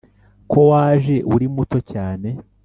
Ko waje uri muto cyane,